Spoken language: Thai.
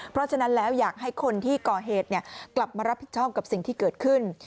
เพราะฉะนั้นแล้วอยากให้คนที่ก่อเหตุกลับมารับผิดชอบกับสิ่งที่เกิดขึ้น